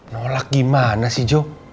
nolak gimana sih jo